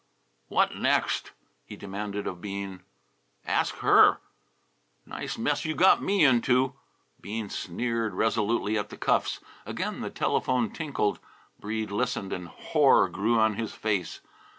"What next?" he demanded of Bean. "Ask her!" "Nice mess you got me into!" Bean sneered resolutely at the cuffs. Again the telephone tinkled. Breede listened and horror grew on his face.